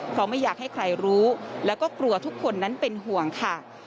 เพราะไม่อยากให้ใครรู้แล้วก็กลัวทุกคนนั้นเป็นห่วงค่ะ